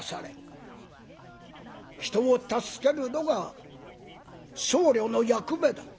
人を助けるのが僧侶の役目だ」。